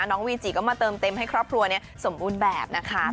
น้องวีจิก็มาเติมเต็มให้ครอบครัวนี้สมบูรณ์แบบนะคะ